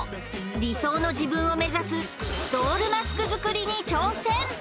理想の自分を目指すドールマスクづくりに挑戦！